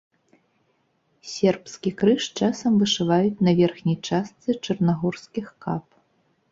Сербская крыж часам вышываюць на верхняй частцы чарнагорскіх кап.